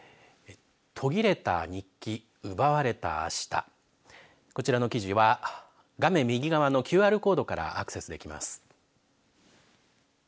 途切れた日記奪われたあしたこちらの記事は画面右側のＱＲコードからアクセスできます。